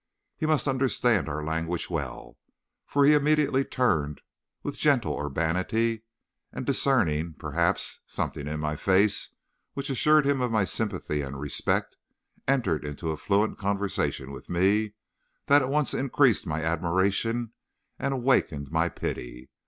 He must understand our language well, for he immediately turned with gentle urbanity, and discerning, perhaps, something in my face which assured him of my sympathy and respect, entered into a fluent conversation with me that at once increased my admiration and awakened my pity.